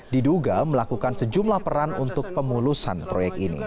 diduga melakukan sejumlah peran untuk pemulusan proyek ini